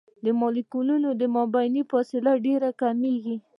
د مالیکولونو منځنۍ فاصله ډیره کمیږي.